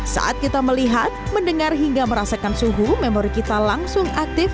saat kita melihat mendengar hingga merasakan suhu memori kita langsung aktif